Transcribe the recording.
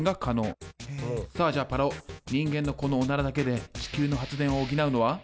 さあじゃあパラオ人間のこのオナラだけで地球の発電を補うのは？